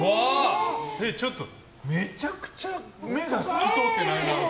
ちょっと、めちゃくちゃ目が透き通ってない？